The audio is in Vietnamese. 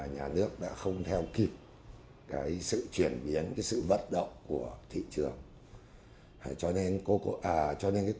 như mong muốn hơn